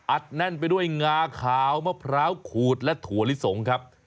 แน่นไปด้วยงาขาวมะพร้าวขูดและถั่วลิสงครับ